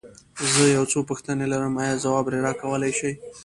زه يو څو پوښتنې لرم، ايا ځواب يې راکولی شې؟